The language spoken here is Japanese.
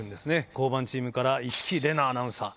交番チームから市來玲奈アナウンサー。